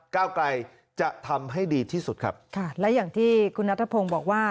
ก้าวไกลจะทำให้ดีที่สุดครับค่ะและอย่างที่คุณนัทพงศ์บอกว่า